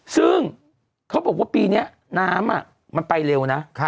ซึ่งเขาบอกว่าปีนี้น้ำมันไปเร็วนะ